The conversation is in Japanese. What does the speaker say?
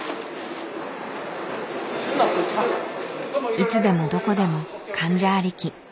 いつでもどこでも患者ありき。